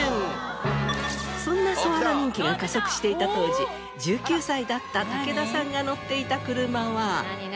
そんなソアラ人気が加速していた当時１９歳だった武田さんが乗っていた車は。